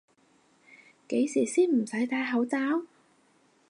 幾時先唔使戴口罩？